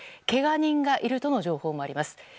けが人がいるとの情報もあります。